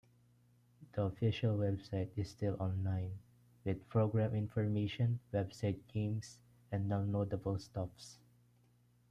The official website is still online, with program information, website games and downloadable stuffs.